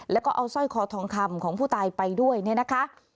แล้วก็เอาสร้อยคอทองคำของผู้ตายไปด้วยเนี่ยนะคะ